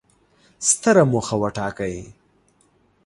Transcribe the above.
ستره موخه وټاکئ!